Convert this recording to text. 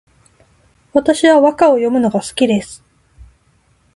私は和歌を詠むのが好きです